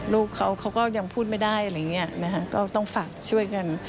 ลูกเขายังพูดไม่ได้ต้องฝากช่วยกัน